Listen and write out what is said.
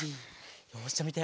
よしじゃあみて。